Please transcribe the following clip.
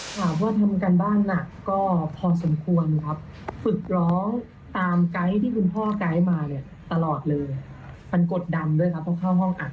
ถามว่าทำการบ้านหนักก็พอสมควรครับฝึกร้องตามไกด์ที่คุณพ่อไกด์มาเนี่ยตลอดเลยมันกดดันด้วยครับต้องเข้าห้องอัด